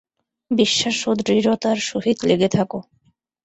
বিশ্বাস ও দৃঢ়তার সহিত লেগে থাক।